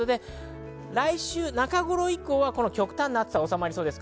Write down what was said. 来週中頃以降は極端な暑さは収まりそうです。